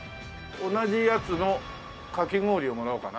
同じやつのかき氷をもらおうかな。